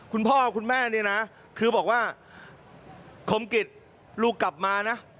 คุณพ่อคุณแม่เนี่ยนะคือบอกว่าคมกิจลูกกลับมานะ